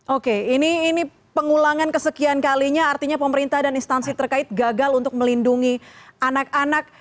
oke ini pengulangan kesekian kalinya artinya pemerintah dan instansi terkait gagal untuk melindungi anak anak